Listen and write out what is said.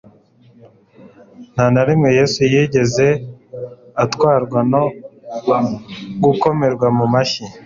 Nta na rimwe Yesu yigeze atwarwa no gukomerwa mu mashyi